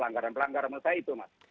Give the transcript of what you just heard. langgaran pelanggaran masa itu mas